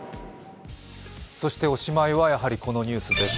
おしまいはやはりこのニュースです。